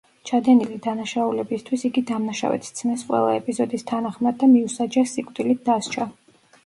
ჩადენილი დანაშაულებისთვის იგი დამნაშავედ სცნეს ყველა ეპიზოდის თანახმად და მიუსაჯეს სიკვდილით დასჯა.